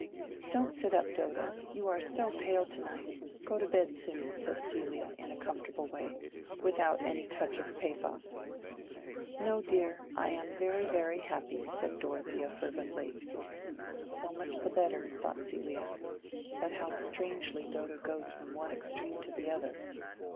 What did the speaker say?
"Don't sit up, Dodo, you are so pale to night: go to bed soon," said Celia, in a comfortable way, without any touch of pathos. "No, dear, I am very, very happy," said Dorothea, fervently. "So much the better," thought Celia. "But how strangely Dodo goes from one extreme to the other."